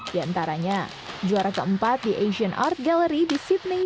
di antaranya juara keempat di asian art gallery di sydney